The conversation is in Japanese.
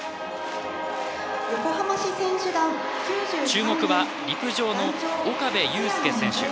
注目は陸上の岡部祐介選手。